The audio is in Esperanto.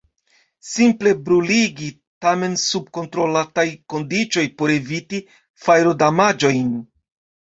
Simple bruligi – tamen sub kontrolataj kondiĉoj por eviti fajrodamaĝojn.